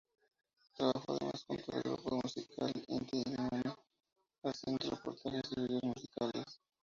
Trabajó además junto al grupo musical Inti-Illimani, haciendo reportajes y videos musicales.